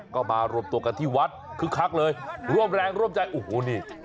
ก็มารวมตัวกันที่วัดคึกคักเลยร่วมแรงร่วมใจโอ้โหนี่